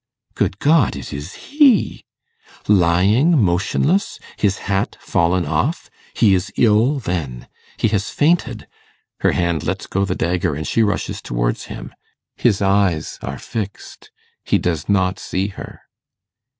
Good God! it is he lying motionless his hat fallen off. He is ill, then he has fainted. Her hand lets go the dagger, and she rushes towards him. His eyes are fixed; he does not see her.